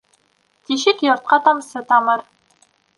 Тишек йортҡа тамсы тамыр